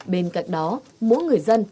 bên cạnh đó mỗi người dân